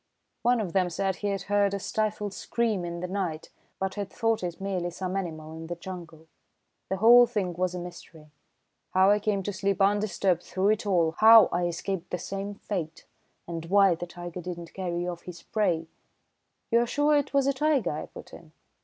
"One of them said he had heard a stifled scream in the night, but had thought it merely some animal in the jungle. The whole thing was a mystery. How I came to sleep undisturbed through it all, how I escaped the same fate, and why the tiger did not carry off his prey " "You are sure it was a tiger?" I put in.